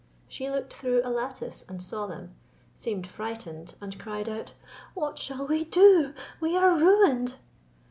She looked through a lattice and saw them, seemed frightened, and cried out, "What shall we do? we are ruined."